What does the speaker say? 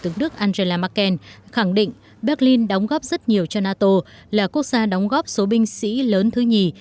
thủ tướng đức angela merkel khẳng định berlin đóng góp rất nhiều cho nato là quốc gia đóng góp số binh sĩ lớn thứ nhì